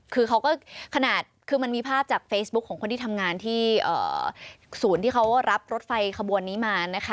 คือเขาก็ขนาดคือมันมีภาพจากเฟซบุ๊คของคนที่ทำงานที่ศูนย์ที่เขารับรถไฟขบวนนี้มานะคะ